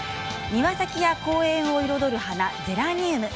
庭先や公園を彩る花ゼラニウム。